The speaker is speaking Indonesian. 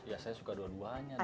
ya saya suka dua duanya